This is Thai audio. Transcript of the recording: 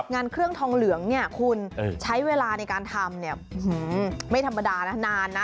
งานเครื่องทองเหลืองคุณใช้เวลาในการทำไม่ธรรมดานาน